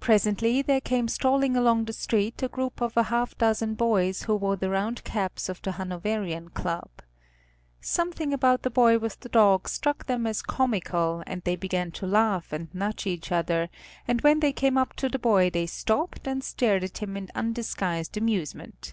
Presently there came strolling along the street a group of a half dozen boys who wore the round caps of the Hanoverian Club. Something about the boy with the dog struck them as comical, and they began to laugh, and nudge each other, and when they came up to the boy they stopped and stared at him in undisguised amusement.